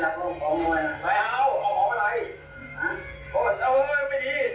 ไอ้หนุ่มก็คุยดีกับเขาเนี่ย